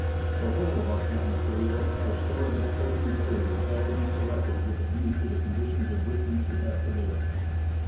The whole of our camp material, our stores of clothing and food, had to be selected with a view to the conditions in which we should have to live.